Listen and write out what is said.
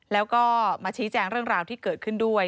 แล้วก็มาชี้แจงเรื่องราวที่เกิดขึ้นด้วย